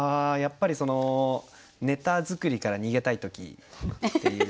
やっぱりそのネタ作りから逃げたい時。